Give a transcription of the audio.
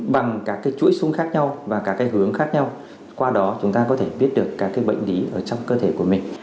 bằng các chuỗi khung khác nhau và các hướng khác nhau qua đó chúng ta có thể biết được các bệnh lý ở trong cơ thể của mình